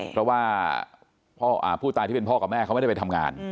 เพราะว่าผู้ตายที่เป็นพ่อกับแม่เขาไม่ได้ไปทำงาน